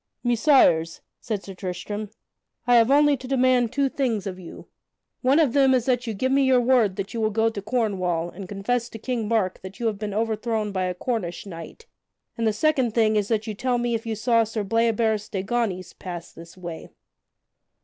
"Messires," said Sir Tristram, "I have only to demand two things of you. One of them is that you give me your word that you will go to Cornwall and confess to King Mark that you have been overthrown by a Cornish knight; and the second thing is that you tell me if you saw Sir Bleoberis de Ganys pass this way?"